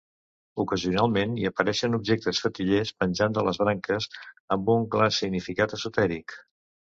Ocasionalment, hi apareixen objectes fetillers penjant de les branques, amb un clar significat esotèric.